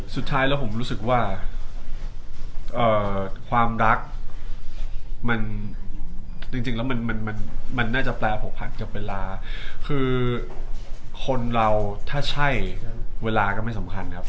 สุดท้ายแล้วผมรู้สึกว่าความรักมันจริงแล้วมันมันน่าจะแปลผูกพันกับเวลาคือคนเราถ้าใช่เวลาก็ไม่สำคัญครับ